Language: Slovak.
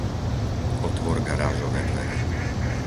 Otvor garážové dvere.